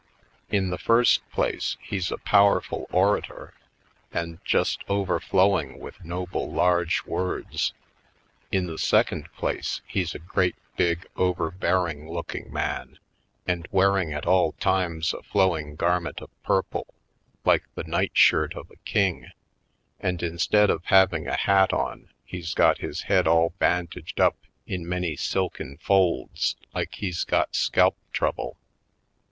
In the first place, he's a powerful orator and just overflowing with noble large words. In the second place, he's a great big over bearing looking maxi and wearing at all times a flowing garment of purple like the night shirt of a king, and instead of having a hat on he's got his head all bandaged up in many silken folds like he's got scalp trouble.